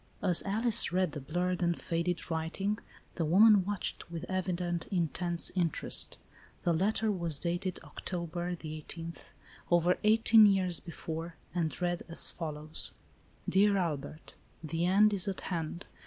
As Alice read the blurred and faded writing, the woman watched, with evident, intense interest. The letter was dated Oct. —, 18 —, over eighteen years before, and read as follows :" Dear Albert : "The end is at hand.